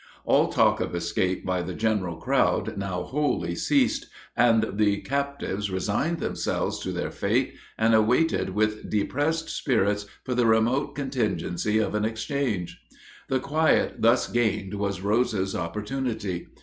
All talk of escape by the general crowd now wholly ceased, and the captives resigned themselves to their fate and waited with depressed spirits for the remote contingency of an exchange. The quiet thus gained was Rose's opportunity.